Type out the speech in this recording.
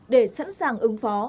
để sẵn sàng ứng phó